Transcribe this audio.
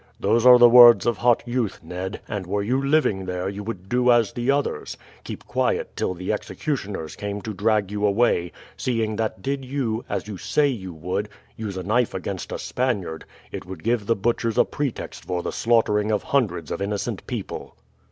"Those are the words of hot youth, Ned; and were you living there you would do as the others keep quiet till the executioners came to drag you away, seeing that did you, as you say you would, use a knife against a Spaniard, it would give the butchers a pretext for the slaughtering of hundreds of innocent people."